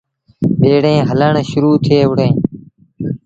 ٻيٚڙيٚن هلڻ شرو ٿئي وُهڙيٚن۔